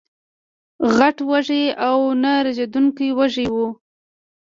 غټ وږي او نه رژېدونکي وږي وو